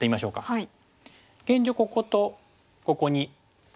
はい。